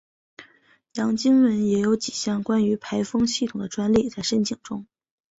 杨经文也有几项关于排风系统的专利在申请中。